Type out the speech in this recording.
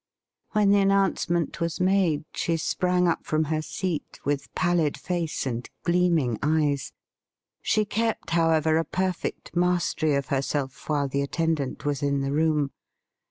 When the announcement was made, she sprang up from her seat, with pallid face and gleaming eyes. She kept, however, a perfect mastery of herself while the attendant was in the room.